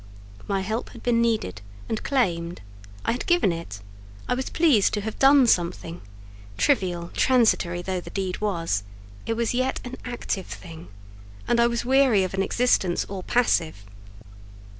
My help had been needed and claimed; I had given it: I was pleased to have done something; trivial, transitory though the deed was, it was yet an active thing, and I was weary of an existence all passive.